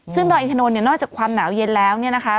ซึ่งดอยอินทนนทเนี่ยนอกจากความหนาวเย็นแล้วเนี่ยนะคะ